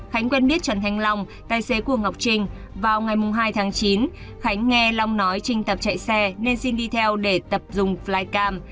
khánh quen biết trần thanh long tài xế của ngọc trinh vào ngày hai chín hai nghìn hai mươi ba khánh nghe long nói trinh tập chạy xe nên xin đi theo để tập dùng flycam